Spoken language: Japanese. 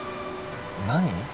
何？